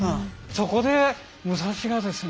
そこで武蔵がですね